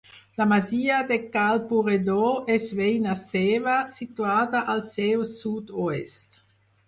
La masia de Cal Purredó és veïna seva, situada al seu sud-oest.